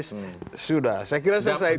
sudah saya kira selesai di situ